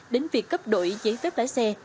đến việc cấp đổi giấy phép lái xe